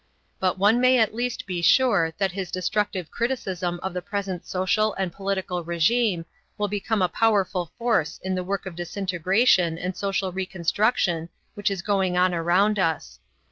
But one may at least be sure that his destructive criticism of the present social and political RÉGIME will become a powerful force in the work of disintegration and social reconstruction which is going on around us.